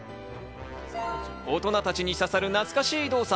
大人たちに刺さる懐かしい動作。